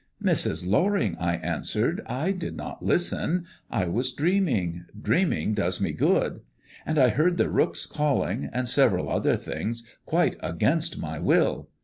"Mrs. Loring," I answered, "I did not listen. I was dreaming dreaming does me good and I heard the rooks calling, and several other things, quite against my will.